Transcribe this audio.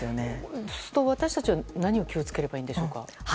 私たちは何を気を付ければいいんでしょうか？